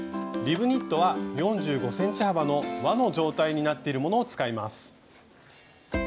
リブニットは４５ｃｍ幅の輪の状態になっているものを使います。